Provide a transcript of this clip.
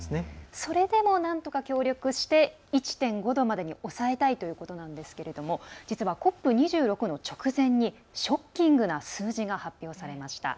それでもなんとか協力して１．５度までに抑えたいということなんですけど実は、ＣＯＰ２６の直前にショッキングな数字が発表されました。